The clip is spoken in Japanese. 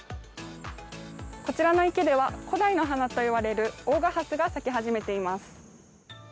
こちらの池では、古代の花といわれる大賀ハスが咲き始めています。